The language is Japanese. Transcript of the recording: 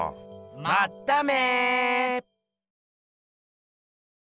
まっため！